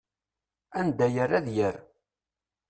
Anda yerra ad yerr.